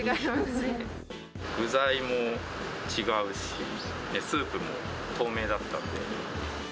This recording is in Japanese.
具材も違うし、スープも透明だったんで。